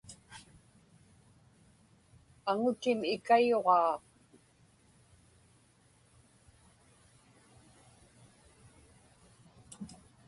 Aŋutim ikayuġaa.